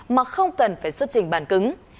mà không cần phải xuất trình bàn cứng